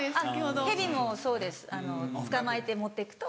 ヘビもそうです捕まえて持って行くと。